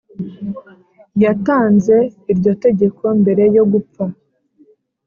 yaatanze iryo tegeko mbere yo gupfa